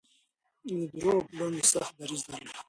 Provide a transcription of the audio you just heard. ده د دروغو پر وړاندې سخت دريځ درلود.